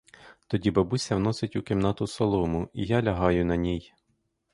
Тоді бабуся вносить у кімнату солому, і я лягаю на ній.